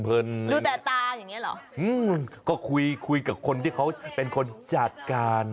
ดูแต่ตาอย่างนี้เหรอก็คุยคุยกับคนที่เขาเป็นคนจัดการ